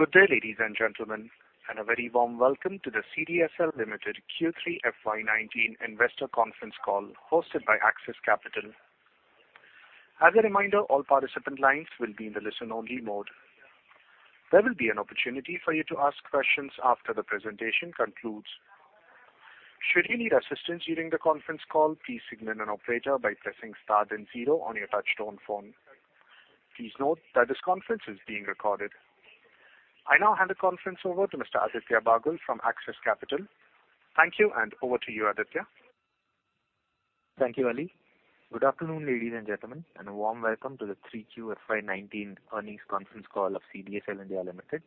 Good day, ladies and gentlemen, and a very warm welcome to the CDSL Limited Q3 FY 2019 Investor Conference Call hosted by Axis Capital. As a reminder, all participant lines will be in the listen-only mode. There will be an opportunity for you to ask questions after the presentation concludes. Should you need assistance during the conference call, please signal an operator by pressing star then zero on your touch-tone phone. Please note that this conference is being recorded. I now hand the conference over to Mr. Aditya Bagul from Axis Capital. Thank you, and over to you, Aditya. Thank you, Ali. Good afternoon, ladies and gentlemen, and a warm welcome to the 3Q FY 2019 earnings conference call of CDSL India Limited.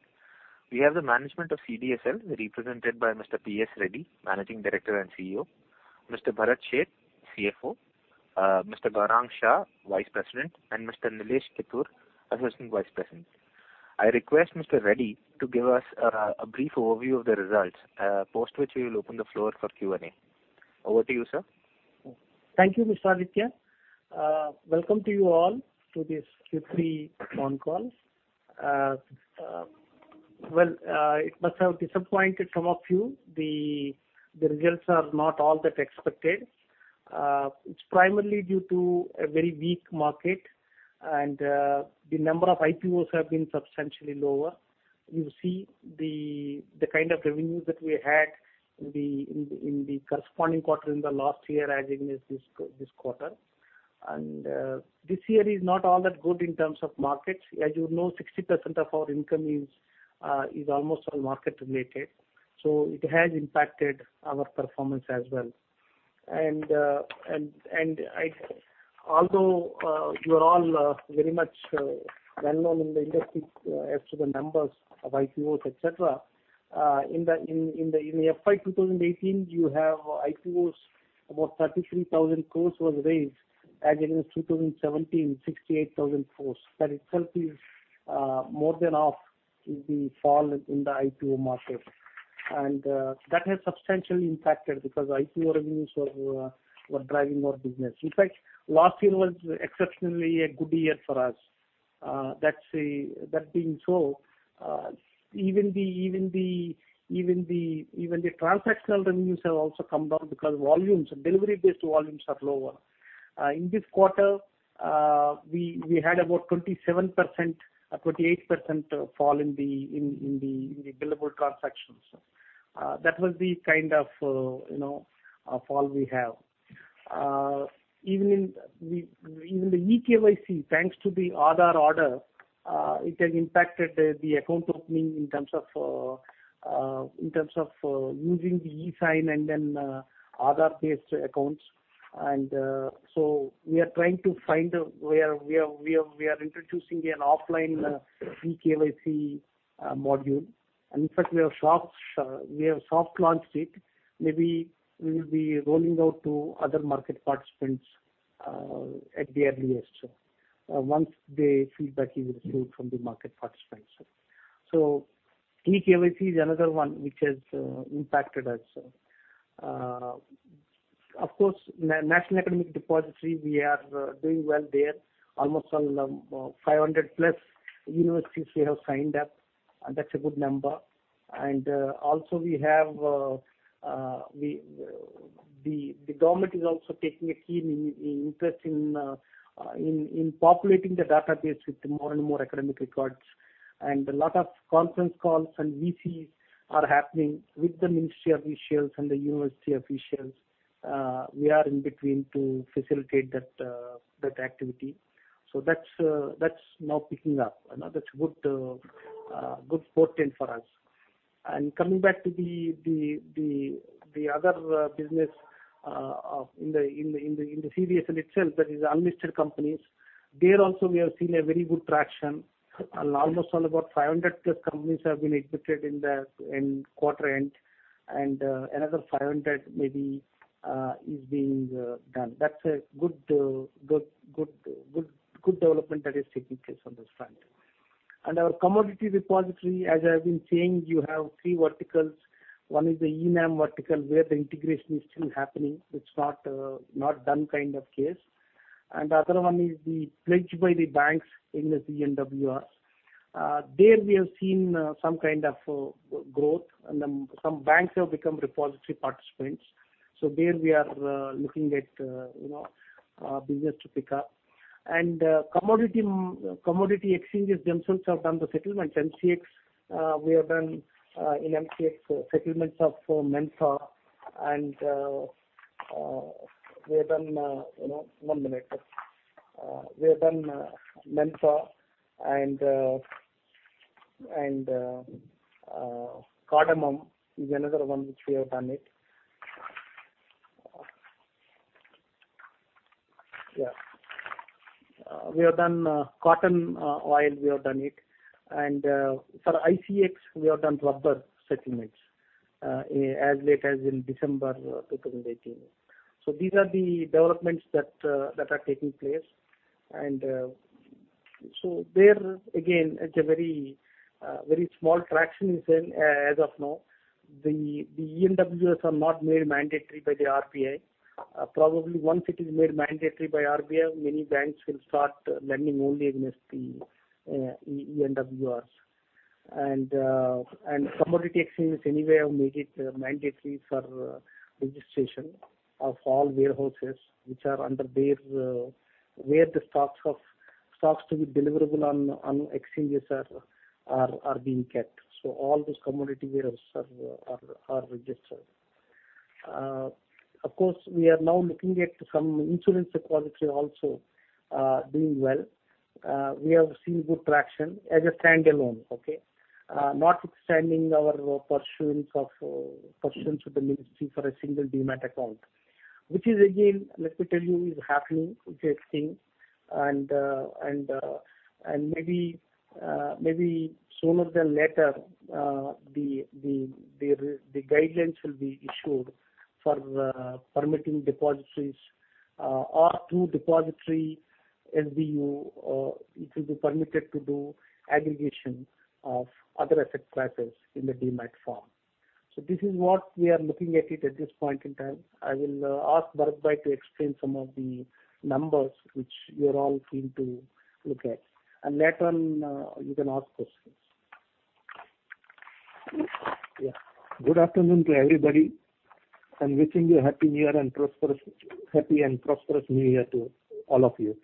We have the management of CDSL represented by Mr. P.S. Reddy, Managing Director and CEO; Mr. Bharat Sheth, CFO; Mr. Gaurang Shah, Vice President; and Mr. Nilesh Kittur, Assistant Vice President. I request Mr. Reddy to give us a brief overview of the results, post which we will open the floor for Q&A. Over to you, sir. Thank you, Mr. Aditya. Welcome to you all to this Q3 phone call. Well, it must have disappointed some of you. The results are not all that expected. It's primarily due to a very weak market, the number of IPOs have been substantially lower. You see the kind of revenues that we had in the corresponding quarter in the last year as against this quarter. This year is not all that good in terms of markets. As you know, 60% of our income is almost all market related, so it has impacted our performance as well. Although you are all very much well known in the industry as to the numbers of IPOs, et cetera, in the FY 2018, you have IPOs, about 33,000 crore was raised as against 2017, 68,000 crore. That itself is more than half the fall in the IPO market. That has substantially impacted because IPO revenues were driving our business. In fact, last year was exceptionally a good year for us. That being so, even the transactional revenues have also come down because delivery-based volumes are lower. In this quarter, we had about 27%, 28% fall in the billable transactions. That was the kind of fall we have. Even the eKYC, thanks to the Aadhaar order, it has impacted the account opening in terms of using the eSign and then Aadhaar-based accounts. We are trying to find where we are introducing an offline eKYC module. In fact, we have soft launched it. Maybe we will be rolling out to other market participants at the earliest once the feedback is received from the market participants. eKYC is another one which has impacted us. Of course, National Academic Depository, we are doing well there. Almost 500+ universities we have signed up, that's a good number. Also, the government is also taking a keen interest in populating the database with more and more academic records. A lot of conference calls and VCs are happening with the ministry officials and the university officials. We are in between to facilitate that activity. That's now picking up, and that's a good portent for us. Coming back to the other business in the CDSL itself, that is unlisted companies. There also, we have seen a very good traction. Almost all about 500+ companies have been admitted in quarter-end, and another 500 maybe is being done. That's a good development that is taking place on this front. Our commodity repository, as I have been saying, you have three verticals. One is the eNAM vertical, where the integration is still happening. It's not done kind of case. The other one is the pledge by the banks in the eNWR. There we have seen some kind of growth, and some banks have become repository participants. There we are looking at business to pick up. Commodity exchanges themselves have done the settlements. MCX, we have done in MCX settlements of Mentha and we have done one minute. We have done Mentha, and Cardamom is another one which we have done it. Yeah. We have done Cotton oil. For ICEX, we have done Rubber settlements as late as in December 2018. These are the developments that are taking place. There, again, it's a very small traction as of now. The eNWRs are not made mandatory by the RBI. Probably once it is made mandatory by RBI, many banks will start lending only against the eNWRs. Commodity exchanges anyway have made it mandatory for registration of all warehouses where the stocks to be deliverable on exchanges are being kept. All those commodity warehouses are registered. Of course, we are now looking at some insurance deposits also doing well. We have seen good traction as a standalone. Okay? Notwithstanding our pursuance with the ministry for a single demat account, which is again, let me tell you, is happening, it is a thing. Maybe sooner than later, the guidelines will be issued for permitting depositories or to depository SBU. It will be permitted to do aggregation of other effect classes in the demat form. This is what we are looking at it at this point in time. I will ask Bharat Bhai to explain some of the numbers, which you're all keen to look at, later on you can ask questions. Good afternoon to everybody, and wishing you happy and prosperous New Year to all of you.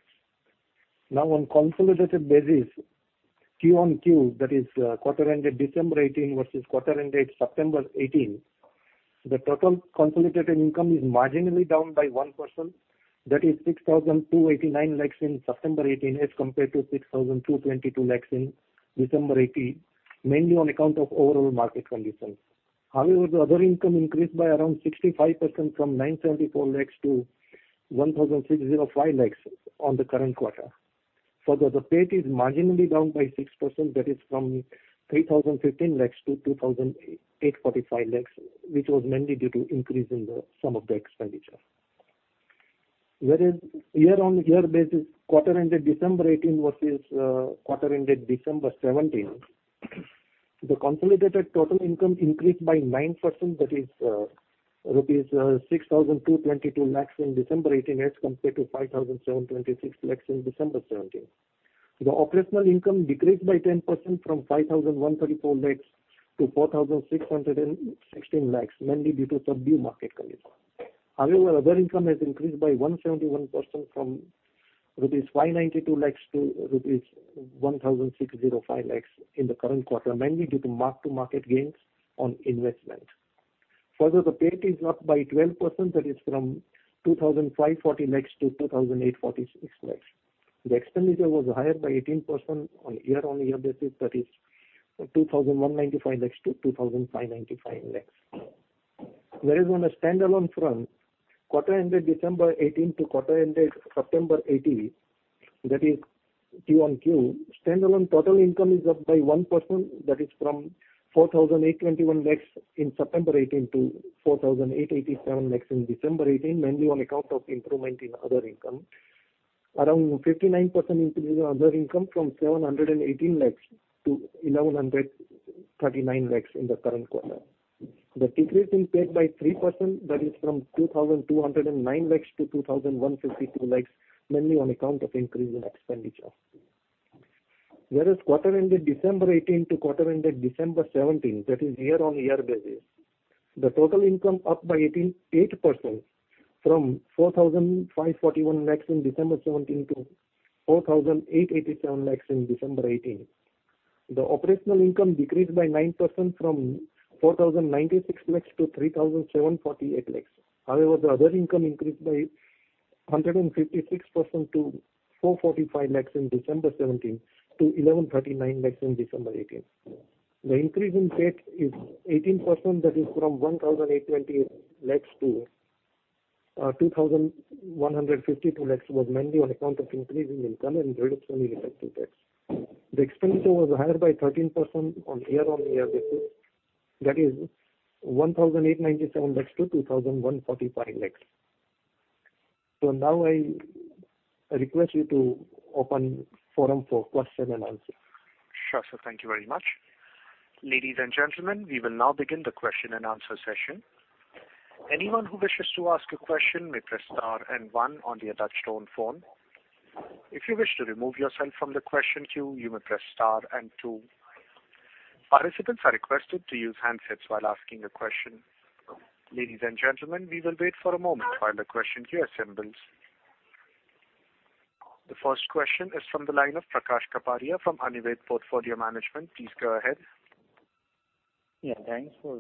On consolidated basis, Q on Q, that is quarter ended December 2018 versus quarter ended September 2018, the total consolidated income is marginally down by 1%, that is 6,289 lakhs in September 2018 as compared to 6,222 lakhs in December 2018, mainly on account of overall market conditions. However, the other income increased by around 65% from 974 lakhs to 1,605 lakhs on the current quarter. Further, the PAT is marginally down by 6%, that is from 3,015 lakhs to 2,845 lakhs, which was mainly due to increase in the sum of the expenditure. Whereas year-over-year basis, quarter ended December 2018 versus quarter ended December 2017, the consolidated total income increased by 9%, that is rupees 6,222 lakhs in December 2018 as compared to 5,726 lakhs in December 2017. The operational income decreased by 10% from 5,134 lakhs to 4,616 lakhs, mainly due to subdued market conditions. However, other income has increased by 171% from rupees 592 lakhs to rupees 1,605 lakhs in the current quarter, mainly due to mark-to-market gains on investment. Further, the PAT is up by 12%, that is from 2,540 lakhs to 2,846 lakhs. The expenditure was higher by 18% on year-over-year basis, that is 2,195 lakhs to 2,595 lakhs. Whereas on a standalone front, quarter ended December 2018 to quarter ended September 2018, that is Q on Q, standalone total income is up by 1%, that is from 4,821 lakhs in September 2018 to 4,887 lakhs in December 2018, mainly on account of improvement in other income. Around 59% increase in other income from 718 lakhs to 1,139 lakhs in the current quarter. The decrease in PAT by 3%, that is from 2,209 lakhs to 2,152 lakhs, mainly on account of increase in expenditure. Whereas quarter ended December 2018 to quarter ended December 2017, that is year-over-year basis, the total income up by 8% from 4,541 lakhs in December 2017 to 4,887 lakhs in December 2018. The operational income decreased by 9% from 4,096 lakhs to 3,748 lakhs. However, the other income increased by 156% to 445 lakhs in December 2017 to 1,139 lakhs in December 2018. The increase in PAT is 18%, that is from 1,820 lakhs to 2,152 lakhs was mainly on account of increase in income and reduction in effective tax. The expenditure was higher by 13% on year-over-year basis, that is 1,897 lakhs to 2,145 lakhs. Now I request you to open forum for question and answer. Sure, sir. Thank you very much. Ladies and gentlemen, we will now begin the question and answer session. Anyone who wishes to ask a question may press star and one on the touchtone phone. If you wish to remove yourself from the question queue, you may press star and two. Participants are requested to use handsets while asking a question. Ladies and gentlemen, we will wait for a moment while the question queue assembles. The first question is from the line of Prakash Kapadia from Anived Portfolio Management. Please go ahead. Yeah, thanks for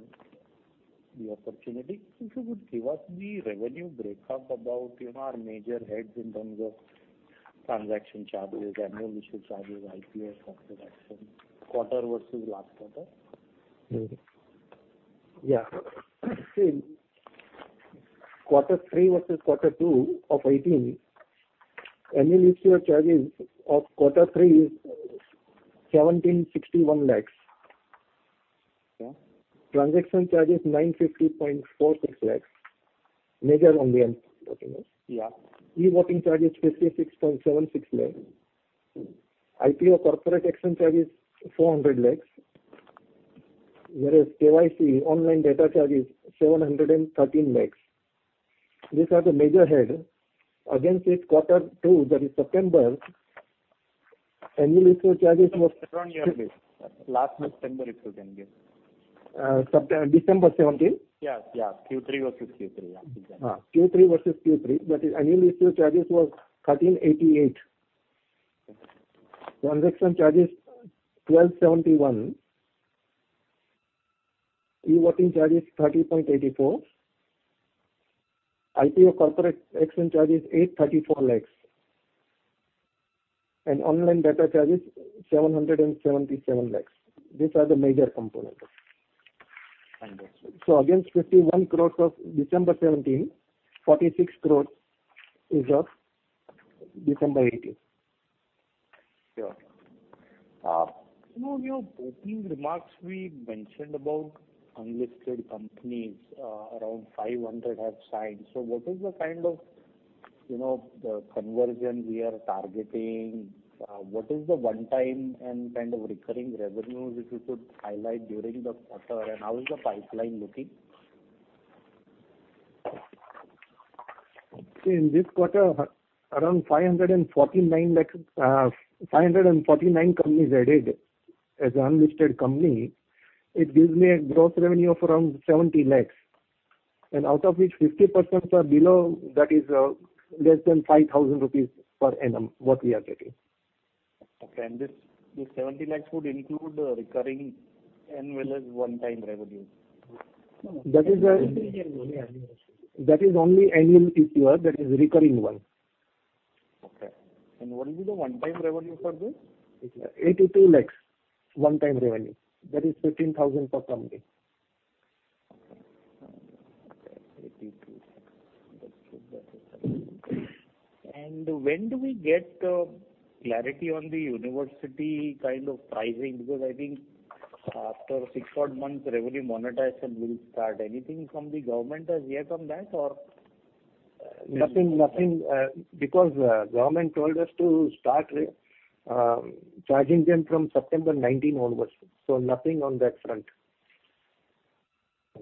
the opportunity. If you would give us the revenue breakup about your major heads in terms of transaction charges, annual issue charges, IPS transaction, quarter versus last quarter. Yeah. Quarter three versus quarter two of 2018, annual issue charges of quarter three is 1,761 lakhs. Okay. Transaction charge is 950.46 lakhs. Major on the end customers. Yeah. E-voting charge is 56.76 lakhs. IPO corporate action charge is 400 lakhs. Whereas KYC online data charge is 713 lakhs. These are the major heads against its quarter two, that is September, annual issue charges. It's around yearly. Last September, if you can give. December 2017? Yes. Q3 versus Q3. Yeah, exactly. Q3 versus Q3, that is annual issue charges was 1,388. Transaction charge is 1,271. E-voting charge is 30.84. IPO corporate action charge is 834 lakhs. Online data charge is 777 lakhs. These are the major components. Understood. Against 51 crore of December 2017, 46 crore is of December 2018. Sure. In your opening remarks, we mentioned about unlisted companies, around 500 have signed. What is the kind of conversion we are targeting? What is the one time and kind of recurring revenue which you could highlight during the quarter? How is the pipeline looking? In this quarter, around 549 companies added as an unlisted company. It gives me a gross revenue of around 70 lakh. Out of which 50% are below, that is less than 5,000 rupees per annum, what we are getting. Okay. This 70 lakh would include recurring and well as one time revenue? That is only annual issue, that is recurring one. Okay. What will be the one time revenue for this? 82 lakhs, one time revenue. That is 15,000 per company. Okay. 82 lakhs. When do we get clarity on the university kind of pricing? Because I think after six odd months, revenue monetization will start. Anything from the government as yet on that? Nothing. Government told us to start charging them from September 2019 onwards. Nothing on that front.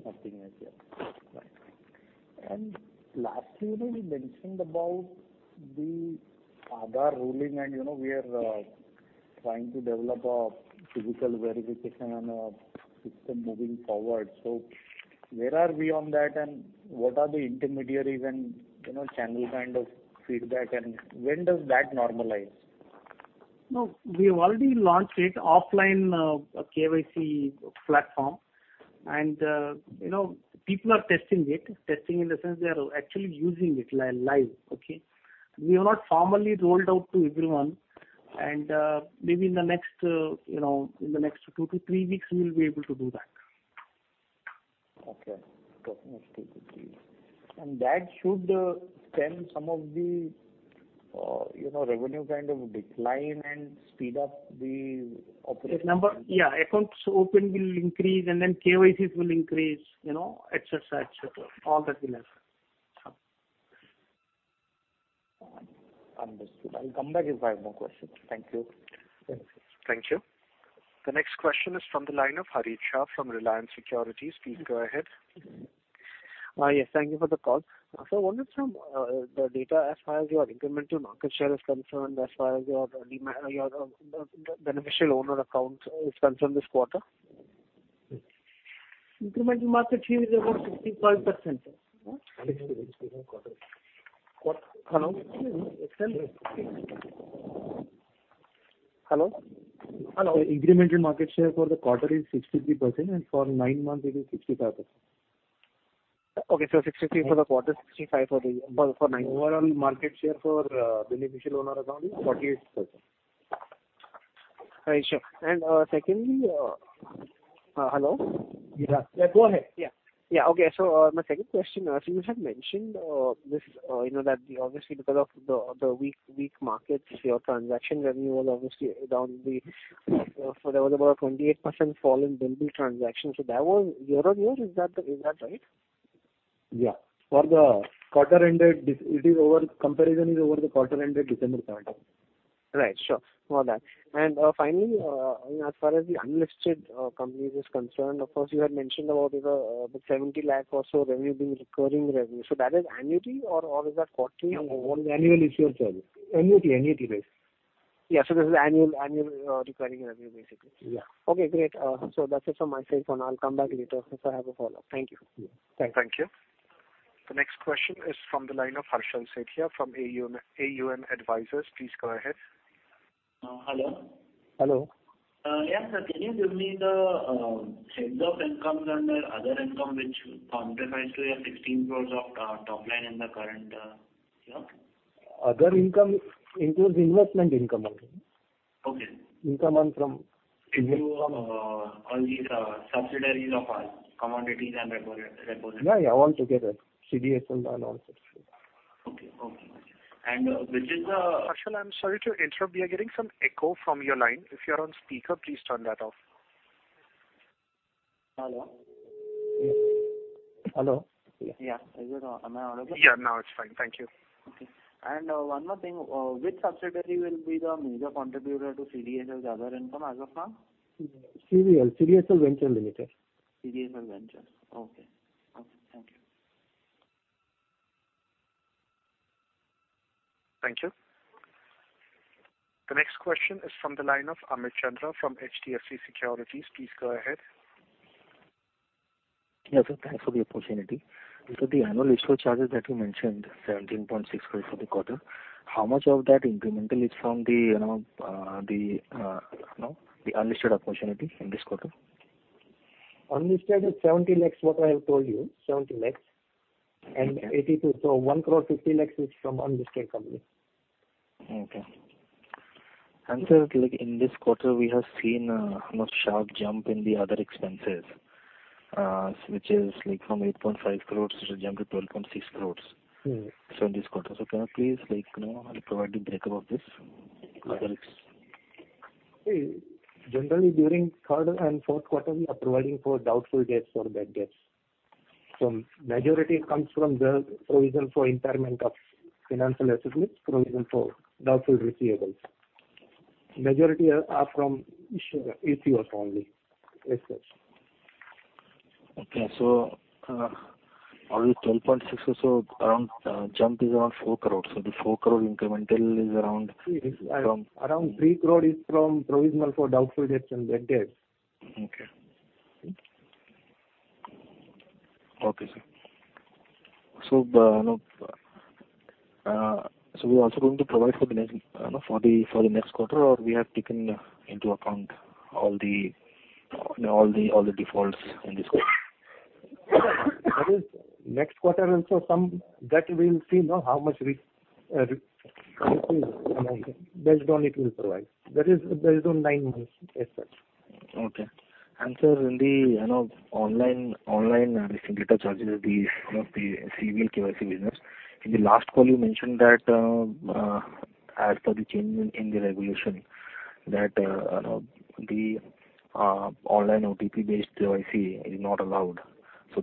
Nothing as yet. Right. Lastly, we mentioned about the Aadhaar ruling, and we are trying to develop a physical verification and a system moving forward. Where are we on that, and what are the intermediaries and channel kind of feedback, and when does that normalize? No, we have already launched it, offline KYC platform. People are testing it. Testing in the sense they are actually using it live. Okay? We have not formally rolled out to everyone. Maybe in the next two to three weeks, we will be able to do that. Okay. Two to three weeks. That should stem some of the revenue kind of decline and speed up the operation. Yeah, accounts opened will increase, KYCs will increase, et cetera. All that will happen. Understood. I'll come back if I have more questions. Thank you. Thank you. Thank you. The next question is from the line of Harit Shah from Reliance Securities. Please go ahead. Yes, thank you for the call. Sir, wanted some data as far as your incremental market share is concerned, as far as your beneficial owner account is concerned this quarter. Incremental market share is about 65%. Hello? Hello. Hello. Incremental market share for the quarter is 63%, and for nine months, it is 65%. Okay, 63% for the quarter, 65% for nine months. Overall market share for beneficial owner account is 48%. Right. Sure. Secondly? Hello? Yeah. Go ahead. Yeah. Okay, my second question, you had mentioned that obviously because of the weak markets, your transaction revenue was obviously down. There was about a 28% fall in demat transactions. That was year-on-year, is that right? Yeah. The comparison is over the quarter ended December 2020. Right. Sure. All that. Finally, as far as the unlisted companies is concerned, of course, you had mentioned about the 70 lakh or so revenue being recurring revenue. That is annuity or is that quarterly? No, annual issue charge. Annuity base. Yeah. This is annual recurring revenue, basically. Yeah. Okay, great. That's it from my side, and I'll come back later if I have a follow-up. Thank you. Thank you. Thank you. The next question is from the line of Harshal Sethia from AUM Advisors. Please go ahead. Hello. Hello. Yeah, sir. Can you give me the heads of incomes under other income which contributes to your 16 crore of top line in the current year? Other income includes investment income also. Okay. Income from- If on these subsidiaries of ours, commodities and repository. Yeah, all together, CDSL and all such things. Okay. Which is the- Harshal, I'm sorry to interrupt. We are getting some echo from your line. If you're on speaker, please turn that off Hello? Hello. Yeah. Am I audible? Yeah. Now it's fine. Thank you. Okay. One more thing. Which subsidiary will be the major contributor to CDSL's other income as of now? CDSL. CDSL Ventures Limited. CDSL Ventures. Okay. Thank you. Thank you. The next question is from the line of Amit Chandra from HDFC Securities. Please go ahead. Yes, sir. Thanks for the opportunity. The annual escrow charges that you mentioned, 17.6 crore for the quarter, how much of that incremental is from the unlisted opportunity in this quarter? Unlisted is 70 lakh, what I have told you. 70 lakh and 82 lakh. One crore fifty lakh is from unlisted company. Okay. Sir, like in this quarter, we have seen a sharp jump in the other expenses, which is like from 8.5 crore, it has jumped to 12.6 crore. In this quarter, can you please provide the breakup of this? During third and fourth quarter, we are providing for doubtful debts or bad debts. Majority comes from the provision for impairment of financial assets, provision for doubtful receivables. Majority are from issuers only. Yes, sir. Okay. Only 12.6 or so around jump is around 4 crores. The 4 crore incremental is around Around 3 crore is from provision for doubtful debts and bad debts. Okay. Okay, sir. We're also going to provide for the next quarter, or we have taken into account all the defaults in this quarter? That is next quarter also some that we'll see now how much based on it we'll provide. That is based on nine months. Yes, sir. Okay. Sir, in the online regulator charges, the CVIL KYC business. In the last call you mentioned that, as per the change in the regulation, that the online OTP-based KYC is not allowed.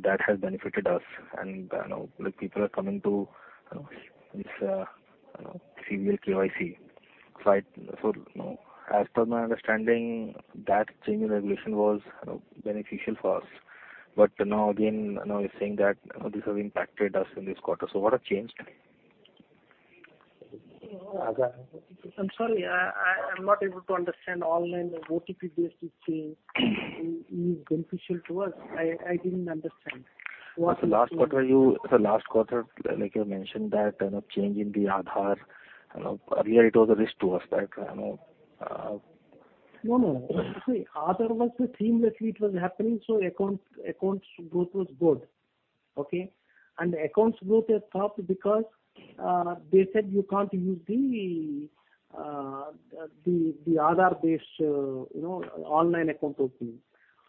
That has benefited us and people are coming to this CVIL KYC. As per my understanding, that change in regulation was beneficial for us. Now again, now you're saying that this has impacted us in this quarter. What has changed? I'm sorry. I'm not able to understand online OTP-based is beneficial to us. I didn't understand. Last quarter, like you mentioned that change in the Aadhaar. Earlier it was a risk to us. No, no. See, Aadhaar was seamlessly it was happening, accounts growth was good. Okay? Accounts growth has stopped because they said you can't use the Aadhaar-based online account opening.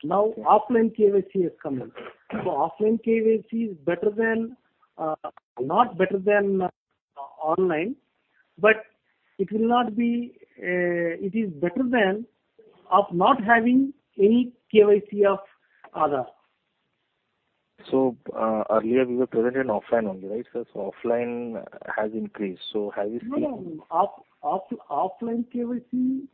Now, offline KYC has come in. Offline KYC is not better than online, it is better than of not having any KYC of Aadhaar. Earlier we were present in offline only, right sir? Offline has increased. Have you seen- No, no. Offline KYC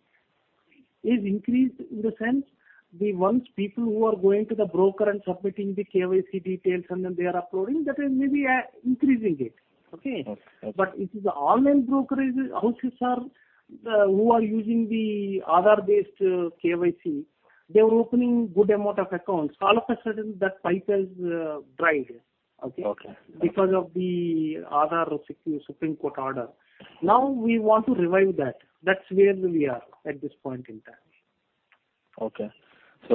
is increased in the sense the once people who are going to the broker and submitting the KYC details and then they are uploading, that is maybe increasing it. Okay? Okay. It is the online brokerages houses, sir, who are using the Aadhaar-based KYC. They were opening good amount of accounts. All of a sudden, that pipe has dried. Okay? Okay. Because of the Aadhaar Supreme Court order. Now we want to revive that. That's where we are at this point in time. Okay.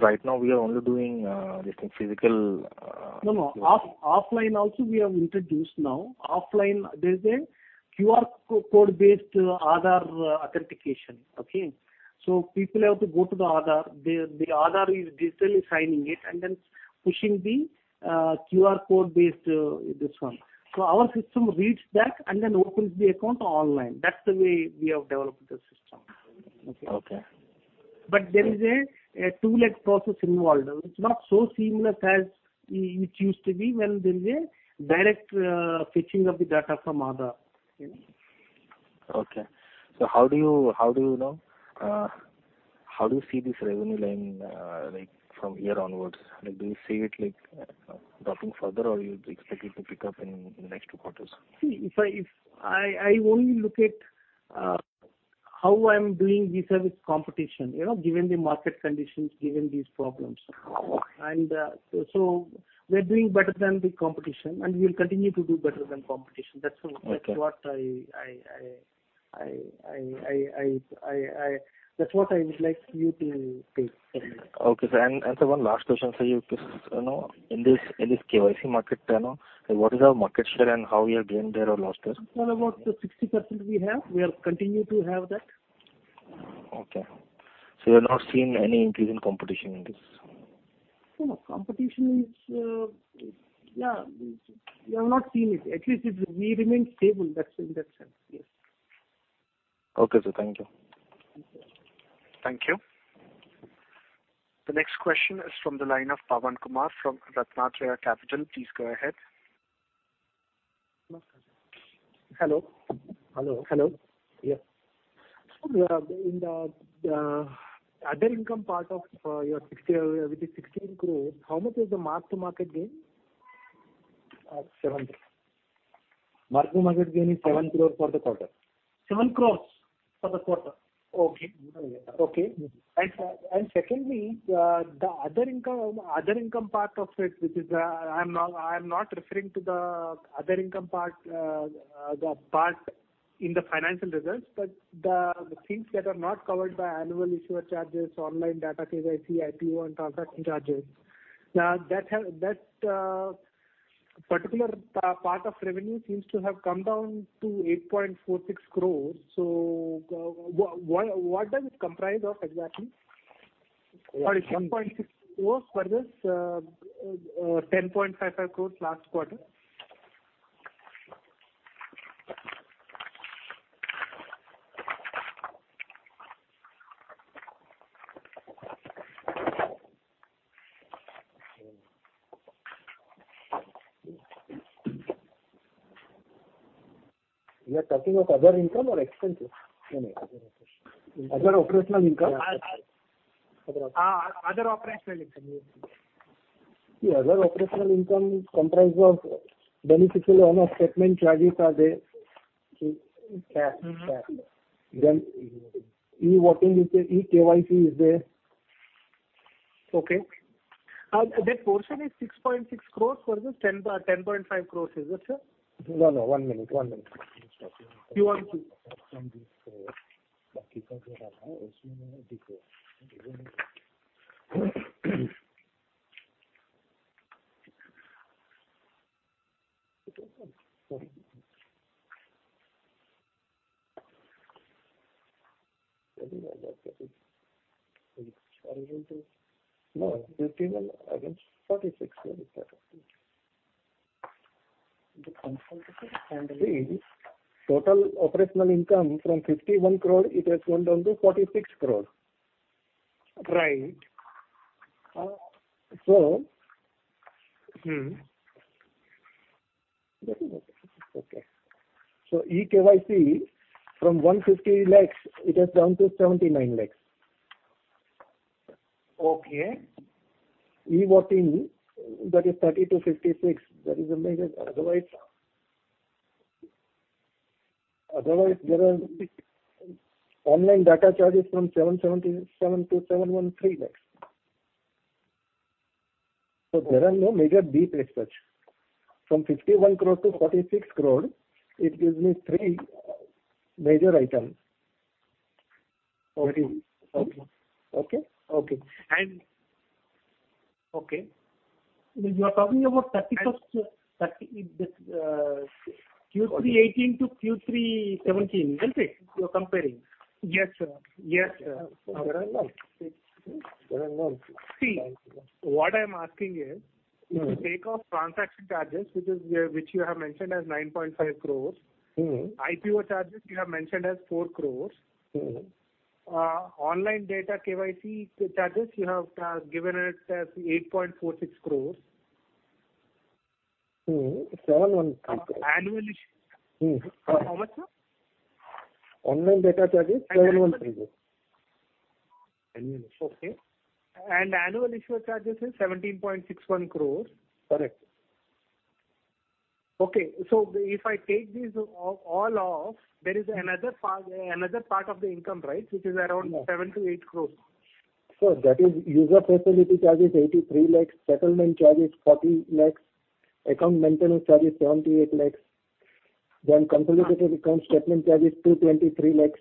Right now we are only doing, I think. No, no. Offline also we have introduced now. Offline, there's a QR code-based Aadhaar authentication. Okay? People have to go to the Aadhaar. The Aadhaar is digitally signing it and then pushing the QR code-based this one. Our system reads that and then opens the account online. That's the way we have developed the system. Okay? Okay. There is a two-leg process involved. It's not so seamless as it used to be when there is a direct fetching of the data from Aadhaar. Okay. How do you see this revenue line like from here onwards? Do you see it dropping further or you expect it to pick up in the next two quarters? See, I only look at how I'm doing vis-a-vis competition, given the market conditions, given these problems. We're doing better than the competition, and we'll continue to do better than competition. That's all. Okay. That's what I would like you to take from me. Okay, sir. Sir, one last question for you. In this KYC market, what is our market share and how we have gained there or lost there? Well, about the 60% we have. We have continued to have that. Okay. You're not seeing any increase in competition in this? No, no. Competition is Yeah, we have not seen it. At least we remain stable, in that sense. Yes. Okay, sir. Thank you. Thank you. The next question is from the line of Pawan Kumar from Ratnatraya Capital. Please go ahead. Hello. Hello. Hello. Yes. In the other income part with the 16 crores, how much is the mark-to-market gain? Mark-to-market gain is seven crores for the quarter. seven crores for the quarter? Okay. Secondly, the other income part of it, I'm not referring to the other income part in the financial results, but the things that are not covered by annual issuer charges, online data KYC, IPO, and transaction charges. That particular part of revenue seems to have come down to 8.46 crores. What does it comprise of exactly? Sorry, 7.6 crores versus 10.55 crores last quarter. You are talking of other income or expenses? Other operational income. Other operational income is comprised of beneficial owner statement charges are there, CAS. E-voting, e-KYC is there. Okay. This portion is 6.6 crores versus 10.5 crores. Is it, sir? No. One minute. Q1, Q4. No, INR 51 against INR 46. See, total operational income from 51 crore, it has gone down to 46 crore. Right. So. Okay. eKYC from 150 lakhs, it has gone to 79 lakhs. Okay. e-voting, that is 30-56. That is amazing. Otherwise, there are online data charges from 7.77 lakhs-7.13 lakhs. There are no major deep research. From 51 crore-46 crore, it gives me three major items. Okay. Okay? Okay. You are talking about. And- Q3 2018 to Q3 2017, isn't it, you're comparing? Yes, sir. What I'm asking is, if you take off transaction charges, which you have mentioned as 9.5 crores. IPO charges, you have mentioned as 4 crores. Online data KYC charges, you have given it as 8.46 crores. 7.13 crores. How much, sir? Online data charges, INR 7.13 crores. Okay. Annual issuer charges is 17.61 crores. Correct. Okay. If I take these all off, there is another part of the income, right? Which is around 7 crores-8 crores. Sir, that is user facility charges, 83 lakhs, settlement charges, 40 lakhs, account maintenance charges, 78 lakhs. Consolidated Account Statement charge is 223 lakhs.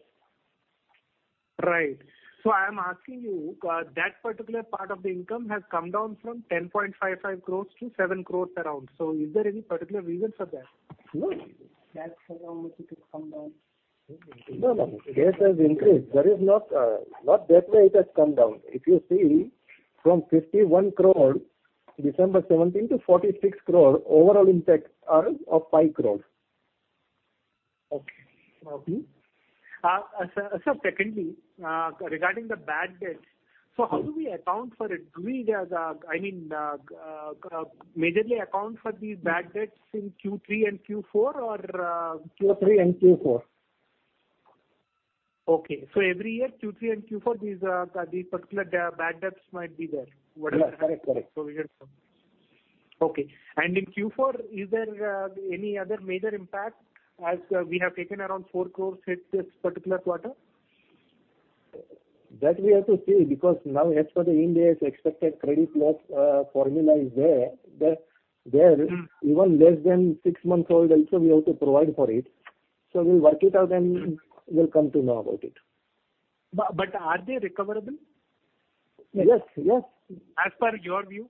Right. I am asking you, that particular part of the income has come down from 10.55 crores to 7 crores around. Is there any particular reason for that? No. That's how much it has come down. No. Case has increased. Not that way it has come down. If you see from 51 crore, December 2017, to 46 crore, overall impact are of 5 crores. Okay. Sir, secondly, regarding the bad debts, how do we account for it? Do we majorly account for these bad debts in Q3 and Q4 or- Q3 and Q4. Okay. Every year, Q3 and Q4, these particular bad debts might be there. Correct. Okay. In Q4, is there any other major impact, as we have taken around 4 crore hit this particular quarter? That we have to see, because now as per the India's expected credit loss formula is there. Even less than six months old also, we have to provide for it. We'll work it out and we'll come to know about it. Are they recoverable? Yes. As per your view?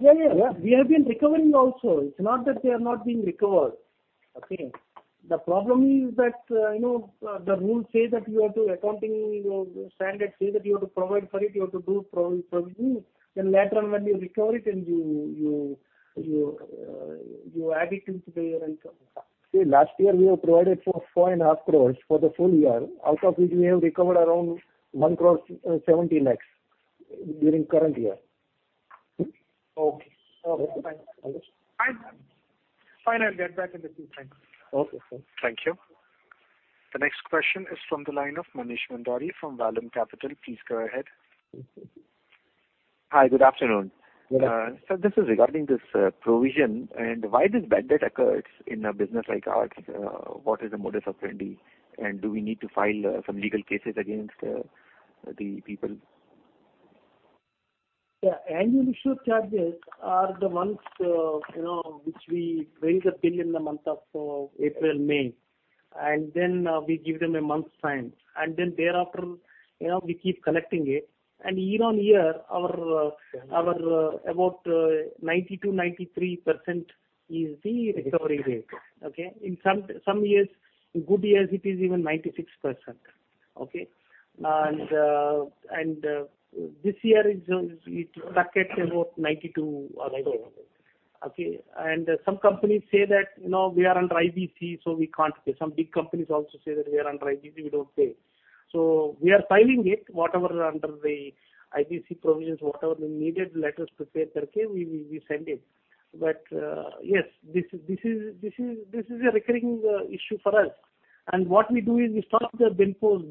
Yeah. We have been recovering also. It's not that they are not being recovered. Okay. The problem is that the rule says that you have to provide for it, you have to do provisioning. Later on when you recover it, you add it into your income. See, last year, we have provided four and a half crores for the full year. Out of which we have recovered around 1.70 crores. During current year. Okay. Fine. I'll get back in the due time. Okay, sir. Thank you. The next question is from the line of Manish Mandhana from Valon Capital. Please go ahead. Hi, good afternoon. Good afternoon. Sir, this is regarding this provision and why this bad debt occurs in a business like ours. What is the modus operandi, and do we need to file some legal cases against the people? Year on year, our about 92%-93% is the recovery rate. In some years, in good years, it is even 96%. This year it stuck at about 92 or so. Some companies say that, "We are under IBC, so we can't pay." Some big companies also say that, "We are under IBC, we don't pay." We are filing it, whatever under the IBC provisions, whatever needed letters to prepare, we send it. Yes, this is a recurring issue for us. What we do is we stop their BENPOS,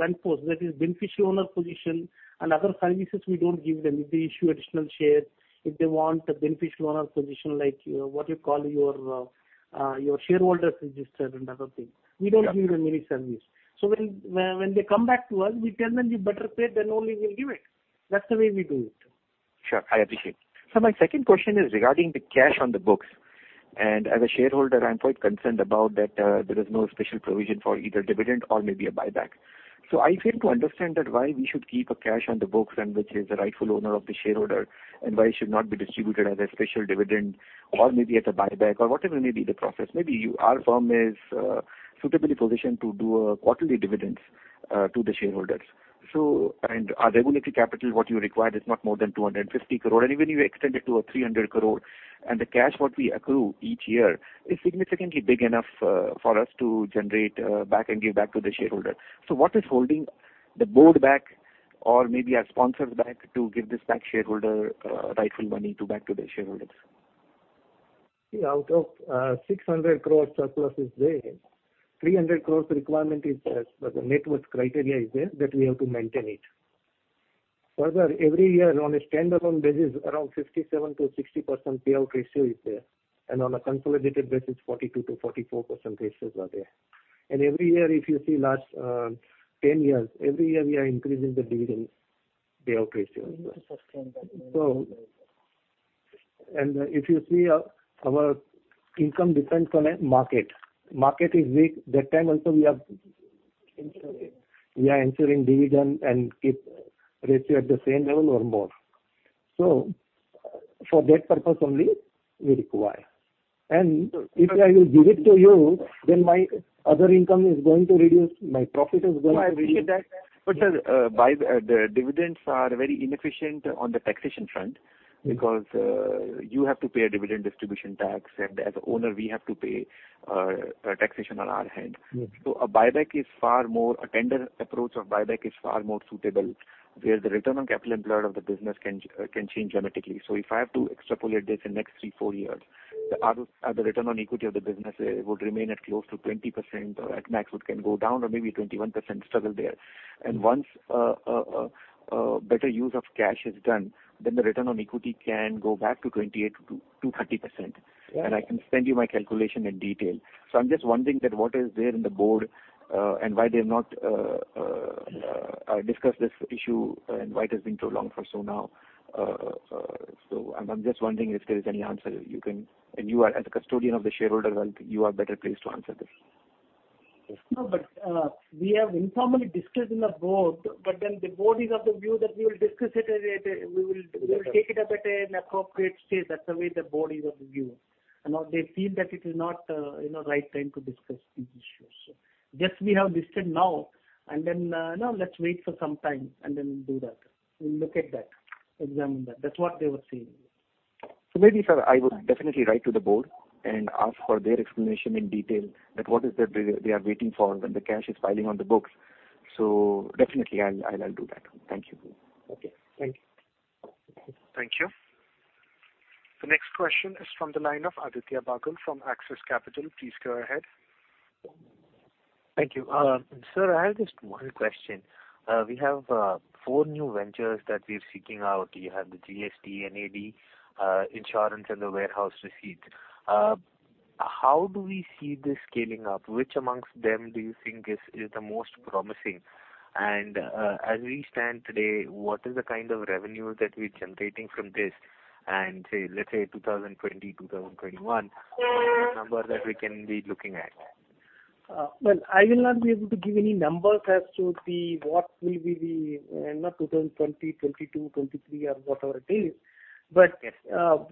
that is beneficiary owner position and other services we don't give them. If they issue additional share, if they want a beneficial owner position like, what you call your shareholders' register and other things, we don't give them any service. When they come back to us, we tell them, "You better pay, then only we'll give it." That's the way we do it. Sure. I appreciate. Sir, my second question is regarding the cash on the books. As a shareholder, I'm quite concerned about that there is no special provision for either dividend or maybe a buyback. I fail to understand that why we should keep a cash on the books and which is the rightful owner of the shareholder, and why it should not be distributed as a special dividend or maybe as a buyback or whatever may be the process. Maybe our firm is suitably positioned to do quarterly dividends to the shareholders. Our regulatory capital, what you required is not more than 250 crore. Even you extend it to 300 crore, the cash what we accrue each year is significantly big enough for us to generate back and give back to the shareholder. What is holding the board back or maybe our sponsors back to give this back shareholder rightful money to back to the shareholders? Out of 600 crore surplus is there, 300 crore requirement is there, the net worth criteria is there that we have to maintain it. Further, every year on a standalone basis, around 57%-60% payout ratio is there, on a consolidated basis, 42%-44% ratios are there. Every year, if you see last 10 years, every year we are increasing the dividend payout ratio. If you see our income depends on a market. Market is weak, that time also we are ensuring dividend and keep ratio at the same level or more. For that purpose only we require. If I will give it to you, then my other income is going to reduce, my profit is going to reduce. No, I appreciate that. Sir, the dividends are very inefficient on the taxation front because you have to pay a dividend distribution tax, and as owner, we have to pay a taxation on our end. Yes. A tender approach of buyback is far more suitable where the return on capital employed of the business can change dramatically. If I have to extrapolate this in next three, four years, the return on equity of the business would remain at close to 20%, or at max, it can go down or maybe 21% struggle there. Once a better use of cash is done, then the return on equity can go back to 28%-30%. Yeah. I can send you my calculation in detail. I'm just wondering that what is there in the board and why they have not discussed this issue, and why it has been too long for so now. I'm just wondering if there is any answer you can, and you as a custodian of the shareholder wealth, you are better placed to answer this. We have informally discussed in the board. The board is of the view that we will take it up at an appropriate stage. That's the way the board is of the view. Now they feel that it is not right time to discuss these issues. We have discussed now. Let's wait for some time and then do that. We'll look at that, examine that. That's what they were saying. Maybe, sir, I would definitely write to the board and ask for their explanation in detail that what is that they are waiting for when the cash is piling on the books. Definitely I'll do that. Thank you. Okay. Thank you. Thank you. The next question is from the line of Aditya Bagul from Axis Capital. Please go ahead. Thank you. Sir, I have just one question. We have four new ventures that we're seeking out. You have the GST, NAD, insurance, and the warehouse receipts. How do we see this scaling up? Which amongst them do you think is the most promising? As we stand today, what is the kind of revenue that we're generating from this? Say, let's say 2020, 2021, what is the number that we can be looking at? Well, I will not be able to give any numbers as to what will be the, not 2020, 2022, 2023, or whatever it is. Yes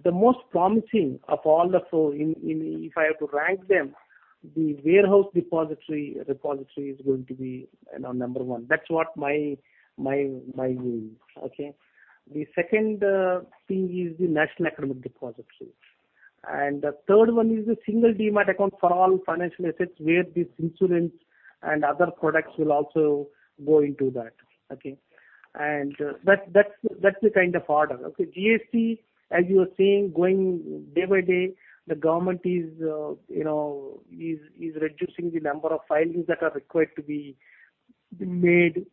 The most promising of all the four, if I have to rank them, the warehouse depository is going to be number 1. That's what my view is. The second thing is the National Academic Depository. The third one is the single Demat account for all financial assets, where these insurance and other products will also go into that. Okay. That's the kind of order. Okay. GST, as you are seeing, going day by day, the government is reducing the number of filings that are required to be made,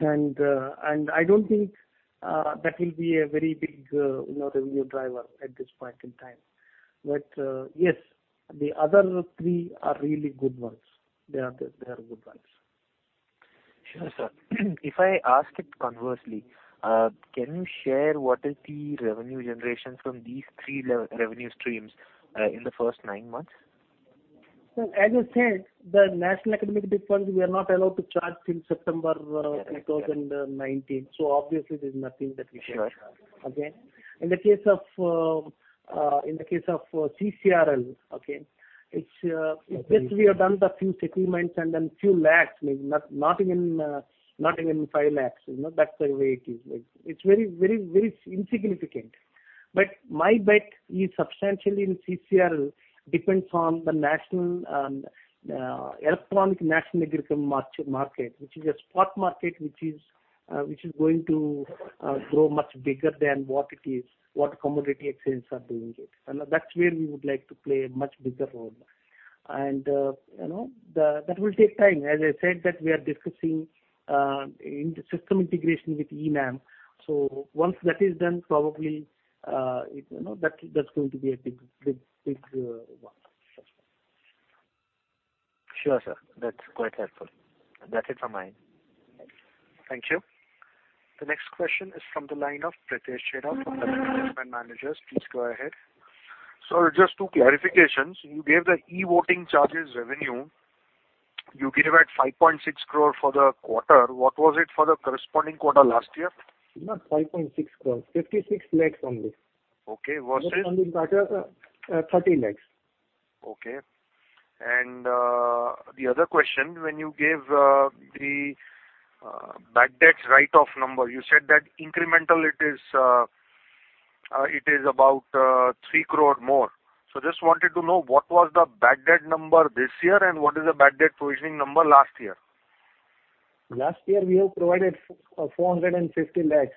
I don't think that will be a very big revenue driver at this point in time. Yes, the other three are really good ones. They are good ones. Sure, sir. If I ask it conversely, can you share what is the revenue generation from these three revenue streams in the first nine months? As I said, the National Academic Depository, we are not allowed to charge till September 2019. Obviously, there's nothing that we can charge. Sure. Okay. In the case of CCRL, okay, it's just we have done a few settlements and then few lakhs, maybe not even 5 lakhs. That's the way it is. It's very insignificant. My bet is substantially in CCRL, depends on the Electronic National Agriculture Market, which is a spot market, which is going to grow much bigger than what it is, what commodity exchanges are doing it. That's where we would like to play a much bigger role. That will take time. As I said that we are discussing system integration with eNAM. Once that is done, probably that's going to be a big one. Sure, sir. That's quite helpful. That's it from my end. Thank you. The next question is from the line of Pritesh Chheda from The Investment Managers. Please go ahead. Sir, just two clarifications. You gave the e-voting charges revenue. You gave at 5.6 crore for the quarter. What was it for the corresponding quarter last year? Not 5.6 crore, 56 lakhs only. Okay, versus? Last year it was INR 30 lakhs. The other question, when you gave the bad debts write-off number, you said that incremental it is about 3 crore more. Just wanted to know what was the bad debt number this year, and what is the bad debt provisioning number last year? Last year, we have provided 450 lakhs.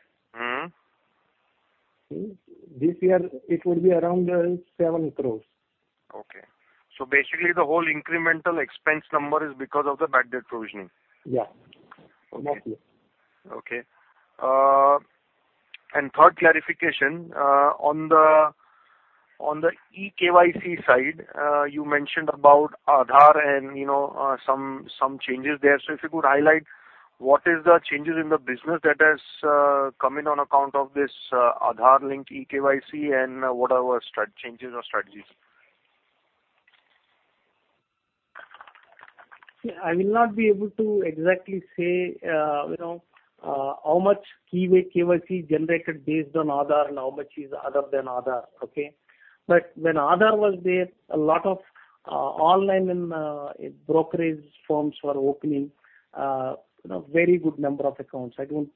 This year it would be around 7 crores. Okay. Basically, the whole incremental expense number is because of the bad debt provisioning? Yeah. Last year. Okay. Third clarification, on the eKYC side, you mentioned about Aadhaar and some changes there. If you could highlight what is the changes in the business that has come in on account of this Aadhaar link eKYC and whatever changes or strategies. I will not be able to exactly say how much eKYC generated based on Aadhaar and how much is other than Aadhaar, okay? When Aadhaar was there, a lot of online brokerage firms were opening very good number of accounts. I don't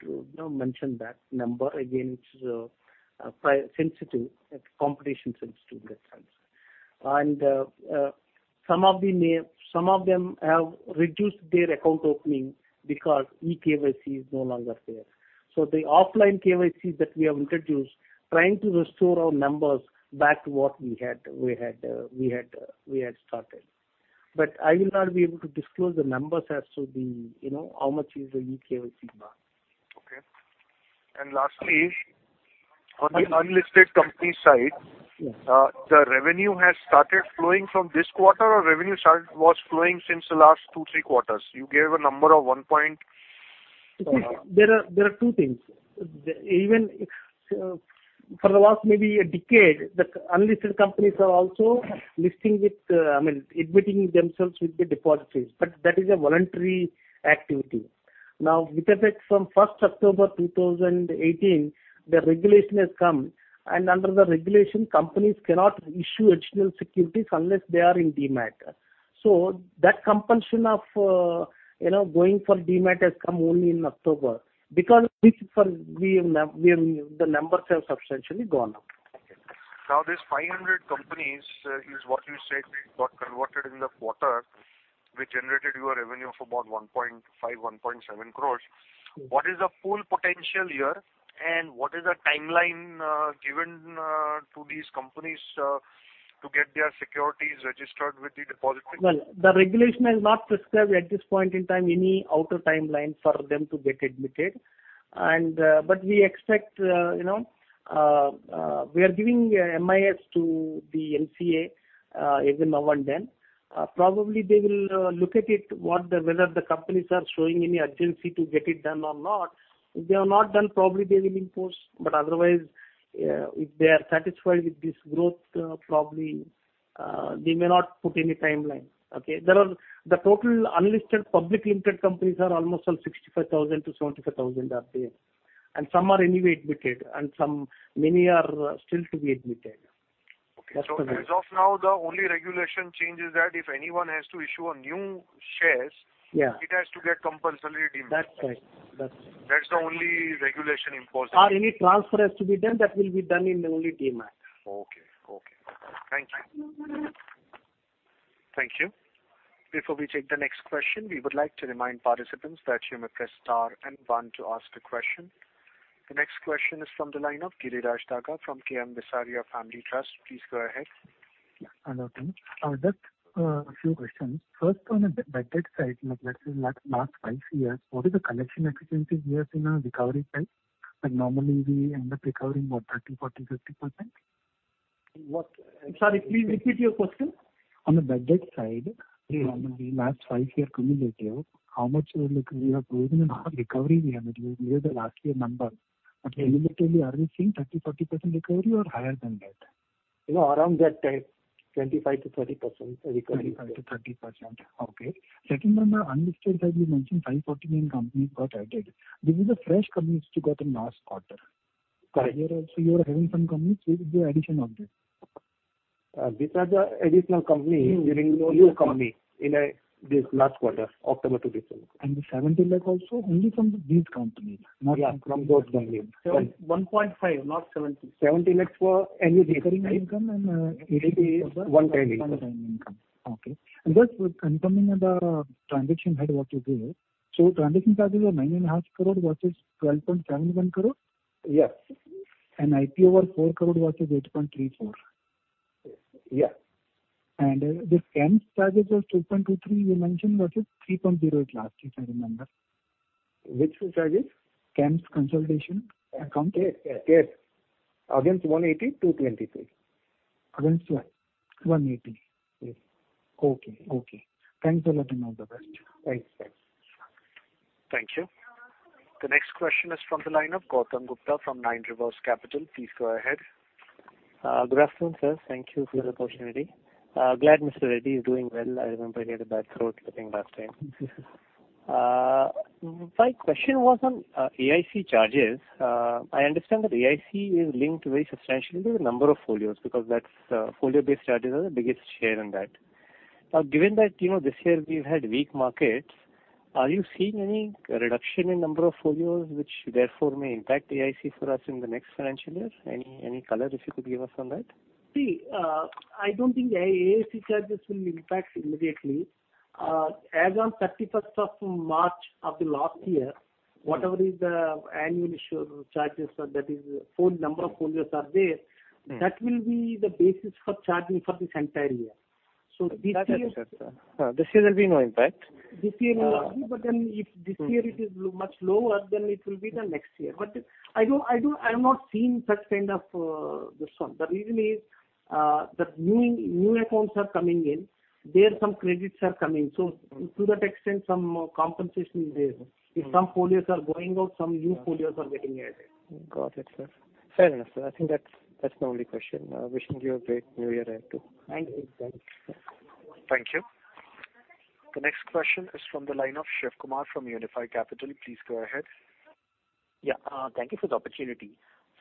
mention that number. Again, it's competition sensitive, that's answer. Some of them have reduced their account opening because eKYC is no longer there. The offline KYCs that we have introduced trying to restore our numbers back to what we had started. I will not be able to disclose the numbers as to how much is the eKYC now. Okay. Lastly, on the unlisted company side. Yes The revenue has started flowing from this quarter, or revenue was flowing since the last two, three quarters. You gave a number of one point. There are two things. For the last maybe a decade, the unlisted companies are also admitting themselves with the depositories. That is a voluntary activity. With effect from 1st October 2018, the regulation has come, and under the regulation, companies cannot issue additional securities unless they are in Demat. That compulsion of going for Demat has come only in October. The numbers have substantially gone up. Okay. These 500 companies is what you said got converted in the quarter, which generated your revenue of about 1.5 crore, 1.7 crore. What is the full potential here, and what is the timeline given to these companies to get their securities registered with the depository? Well, the regulation has not prescribed at this point in time any outer timeline for them to get admitted. We expect, we are giving MIS to the MCA every now and then. Probably they will look at it whether the companies are showing any urgency to get it done or not. If they have not done, probably they will impose. Otherwise, if they are satisfied with this growth, probably, they may not put any timeline. Okay. The total unlisted public-limited companies are almost around 65,000-75,000 are there, and some are anyway admitted, and many are still to be admitted. Okay. As of now, the only regulation change is that if anyone has to issue new shares- Yeah it has to get compulsory Demat. That's right. That's the only regulation imposed. Any transfer has to be done, that will be done only in Demat. Okay. Thank you. Before we take the next question, we would like to remind participants that you may press star and one to ask a question. The next question is from the line of Girish Daga from K.M. Bisaria Family Trust. Please go ahead. Yeah. Hello, team. Just a few questions. First, on the budget side, let's say last five years, what is the collection efficiency we have seen on recovery side? Like normally, we end up recovering what, 30%, 40%, 50%? What? Sorry, please repeat your question. On the budget side. Yeah. Last five year cumulative, how much we have given and how recovery we have made. You gave the last year number. Cumulatively, are we seeing 30%, 40% recovery or higher than that? Around that time, 25%-30% recovery. 25%-30%. Okay. Second one, on unlisted side, you mentioned five, 49 companies got added. These are the fresh companies which you got in last quarter? Correct. You are having some companies with the addition of this? These are the additional companies during. New company. In this last quarter, October to December. The 70 lakh also, only from these companies. Yeah, from those companies. 1.5 lakh, not 70 lakh. 70 lakh for annual basis. Recurring income., 180. Okay. Just confirming on the transaction head, what you gave. Transaction charges are 9.5 crore versus 12.71 crore? Yes. IPO was 4 crore versus 8.34 crore? Yeah. This CAS charges was 2.23 crore you mentioned versus 3.0 crore at last, if I remember. Which charges? CAS consultation account. Yes. Against 180, 223. Against what? 180. Yes. Okay. Thanks a lot and all the best. Thanks. Thank you. The next question is from the line of Gautam Gupta from Nine Rivers Capital. Please go ahead. Good afternoon, sir. Thank you for the opportunity. Glad Mr. Reddy is doing well. I remember he had a bad throat, I think, last time. My question was on AIC charges. I understand that AIC is linked very substantially to the number of folios, because folio-based charges are the biggest share in that. Now, given that this year we've had weak markets, are you seeing any reduction in number of folios, which therefore may impact AIC for us in the next financial year? Any color if you could give us on that? See, I don't think AIC charges will impact immediately. As on 31st of March of the last year, whatever is the annual charges, that is number of folios are there- That will be the basis for charging for this entire year. Got it. This year there'll be no impact. This year it will not be, if this year it is much lower, then it will be the next year. I have not seen such kind of this one. The reason is, that new accounts are coming in. There some credits are coming. To that extent, some compensation is there. If some folios are going out, some new folios are getting added. Got it, sir. Fair enough, sir. I think that's my only question. Wishing you a great new year ahead too. Thank you. Thank you. The next question is from the line of Shivkumar from Unifi Capital. Please go ahead. Thank you for the opportunity.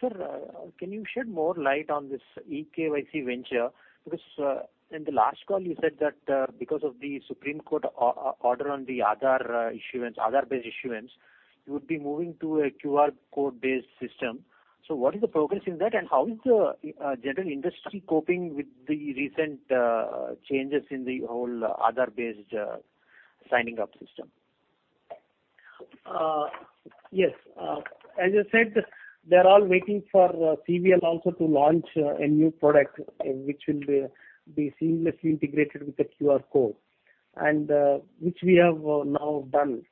Sir, can you shed more light on this e-KYC venture? Because in the last call you said that because of the Supreme Court order on the Aadhaar-based issuance, you would be moving to a QR code-based system. What is the progress in that, and how is the general industry coping with the recent changes in the whole Aadhaar-based signing up system? As I said, they're all waiting for CVL also to launch a new product which will be seamlessly integrated with the QR code, which we have now done.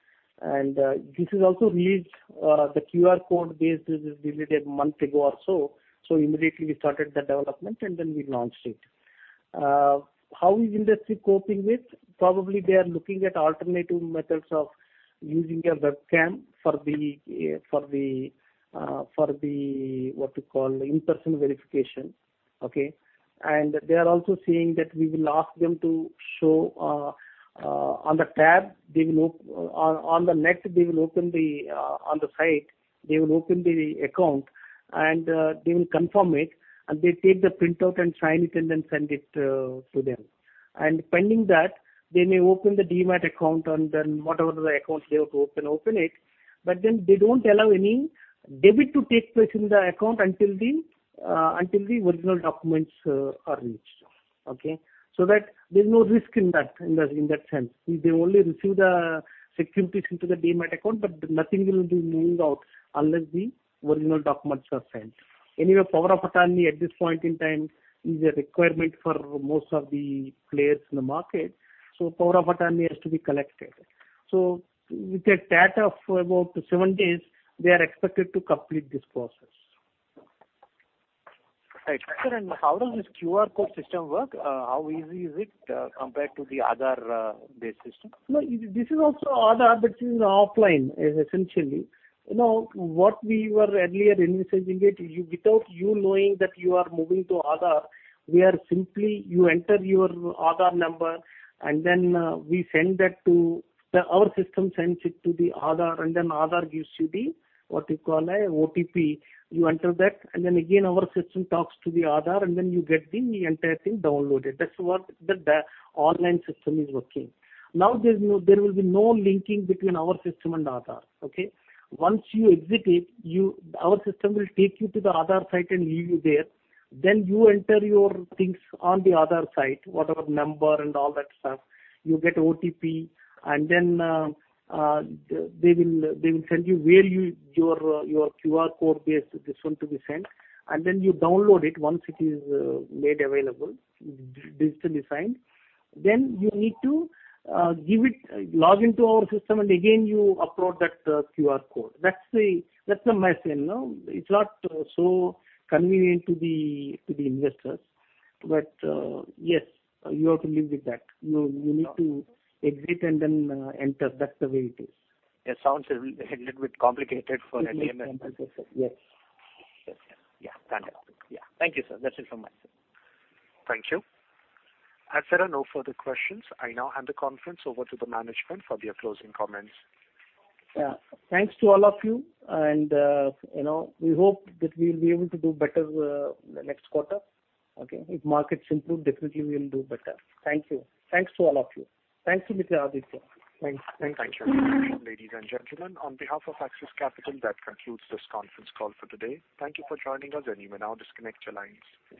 This is also released, the QR code base, a month ago or so. Immediately we started the development, and then we launched it. How is industry coping with? Probably they are looking at alternative methods of using a webcam for the in-person verification. Okay. They are also seeing that we will ask them to show on the tab, on the net, on the site, they will open the account and they will confirm it, and they take the printout and sign it and then send it to them. Pending that, they may open the Demat account, and then whatever other accounts they have to open it. They don't allow any debit to take place in the account until the original documents are reached. Okay. There's no risk in that sense. They only receive the securities into the demat account, but nothing will be moving out unless the original documents are sent. Power of attorney at this point in time is a requirement for most of the players in the market, so power of attorney has to be collected. With a tat of about seven days, they are expected to complete this process. Right. Sir, how does this QR code system work? How easy is it compared to the Aadhaar-based system? This is also Aadhaar, but it is offline, essentially. What we were earlier envisaging it, without you knowing that you are moving to Aadhaar, we are simply, you enter your Aadhaar number, and then our system sends it to the Aadhaar, and then Aadhaar gives you the OTP. You enter that, and then again, our system talks to the Aadhaar, and then you get the entire thing downloaded. That's what the online system is working. There will be no linking between our system and Aadhaar, okay. Once you exit it, our system will take you to the Aadhaar site and leave you there. You enter your things on the Aadhaar site, whatever number and all that stuff. You get OTP, and then they will send you where your QR code base, this one to be sent. You download it once it is made available, digitally signed. You need to log into our system, and again you upload that QR code. That's the mess in. It's not so convenient to the investors. Yes, you have to live with that. You need to exit and then enter. That's the way it is. It sounds a little bit complicated for an end user. Little bit complicated, yes. Yeah, got it. Thank you, sir. That's it from my side. Thank you. As there are no further questions, I now hand the conference over to the management for their closing comments. Thanks to all of you. We hope that we'll be able to do better the next quarter. Okay. If markets improve, definitely we'll do better. Thank you. Thanks to all of you. Thanks to Mr. Aditya. Thanks. Thank you. Ladies and gentlemen, on behalf of Axis Capital, that concludes this conference call for today. Thank you for joining us, and you may now disconnect your lines.